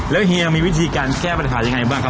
แล้วเฮียมีวิธีการแก้ปัญหายังไงบ้างครับ